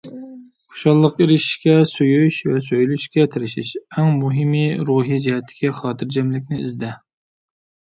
خۇشاللىققا ئېرىشىشكە، سۆيۈش ۋە سۆيۈلۈشكە تىرىش، ئەڭ مۇھىمى، روھىي جەھەتتىكى خاتىرجەملىكنى ئىزدە.